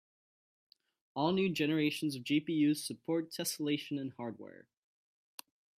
All new generations of GPUs support tesselation in hardware.